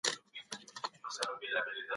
د اوبو په واسطه د بدن ټول سیستم پاکیږي.